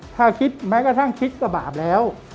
ถ้าคิดแม้กระทั่งคิดก็บาปแล้ว